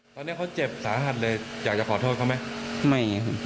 ตอนนี้เขาเจ็บสาหัสเลยอยากจะขอโทษเขาไหมไม่ครับ